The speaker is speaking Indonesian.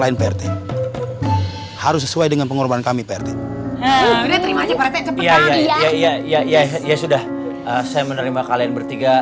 lain sea ryu sesuai dengan pengorbanan kami pertik ya ya ya ya ya ya sudah saya menerima kalian bertiga